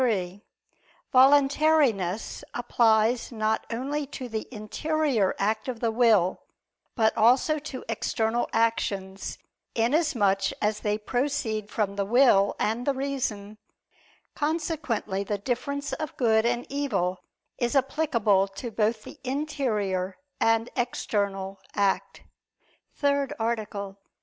3: Voluntariness applies not only to the interior act of the will, but also to external actions, inasmuch as they proceed from the will and the reason. Consequently the difference of good and evil is applicable to both the interior and external act. ________________________ THIRD ARTICLE [I II, Q. 20, Art.